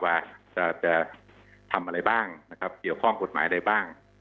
ว่าจะทำอะไรบ้างเกี่ยวข้องกฎหมายอะไรบ้าง